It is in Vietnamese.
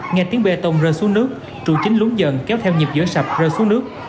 nghe tiếng bê tông rơi xuống nước trụ chính lúng dần kéo theo nhịp giữa sập rơi xuống nước